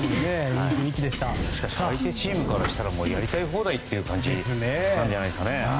しかし相手チームからしたらやりたい放題っていう感じなんじゃないですかね。